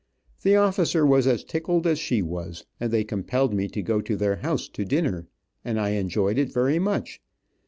The officer was as tickled as she was, and they compelled me to go to their house to dinner, and I enjoyed it very much.